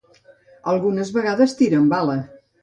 Algunes vegades tira amb bala.